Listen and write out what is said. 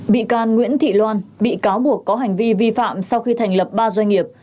bị can nguyễn thị loan bị cáo buộc có hành vi vi phạm sau khi thành lập ba doanh nghiệp